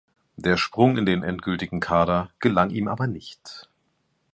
Der Sprung in den endgültigen Kader gelang ihm aber nicht.